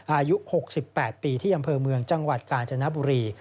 อายุ๖๘ปีที่อำเภอเมืองจังหวัดกาญจนบุรี